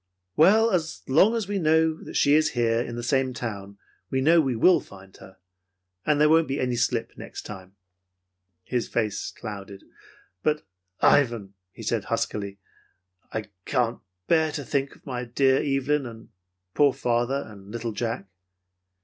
"Well, as long as we know she is here in the same town, we know we will find her. And there won't be any slip the next time." His face clouded. "But, Ivan," he said huskily, "I can't bear to think of my dear Evelyn, and poor father, and little Jack."